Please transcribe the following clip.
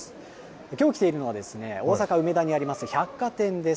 きょう来ているのは、大阪・梅田にあります百貨店です。